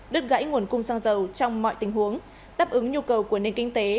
đứt gãy nguồn cung xăng dầu trong mọi tình huống đáp ứng nhu cầu của nền kinh tế